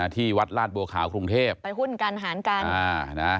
ที่วัดลาดบัวขาวกรุงเทพไปหุ้นกันหารกันอ่านะ